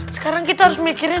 sekarang kita harus mikirin